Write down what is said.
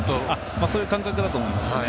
そういう感覚だと思います。